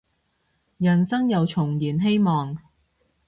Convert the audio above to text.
人生又重燃希望